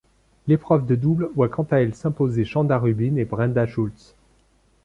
L'épreuve de double voit quant à elle s'imposer Chanda Rubin et Brenda Schultz.